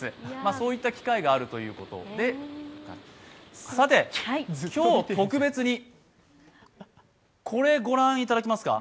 そういった機械があるということでさて、今日特別に、これをご覧いただけますか。